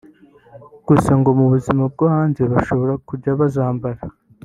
gusa ngo mu buzima bwo hanze bashobora kujya bazambara